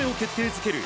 づける